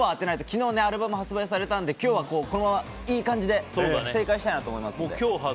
昨日、アルバムが発売されたので今日はこのまま、いい感じで正解したいなと思いますので。